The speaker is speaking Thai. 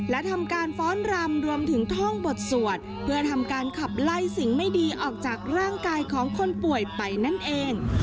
และทำการฟ้อนรำรวมถึงท่องบทสวดเพื่อทำการขับไล่สิ่งไม่ดีออกจากร่างกายของคนป่วยไปนั่นเอง